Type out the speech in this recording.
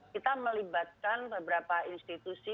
kita melibatkan beberapa institusi